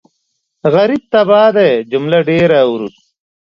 غريب تباه دی جمله ډېره اورو